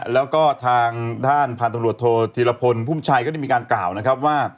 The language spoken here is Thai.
แล้วก็ทางท่านผ่านตรวจโทษธีรพลภูมิชัยก็ได้มีการกล่าวนะครับว่า